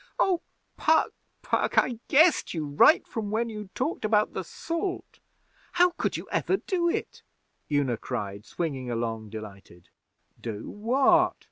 'Oh, Puck! Puck! I guessed you right from when you talked about the salt. How could you ever do it?' Una cried, swinging along delighted. 'Do what?'